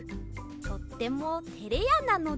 とってもてれやなので。